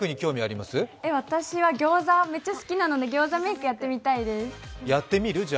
私はギョウザがめっちゃ好きなのでギョウザメイクやってみたいです。